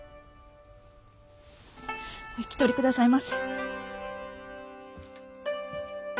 お引き取り下さいませ。